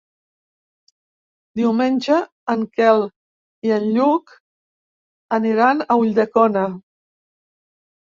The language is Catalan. Diumenge en Quel i en Lluc aniran a Ulldecona.